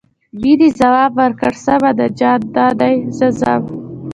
مينې ځواب ورکړ سمه ده جان دادی زه ځم.